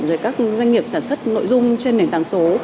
rồi các doanh nghiệp sản xuất nội dung trên nền tảng số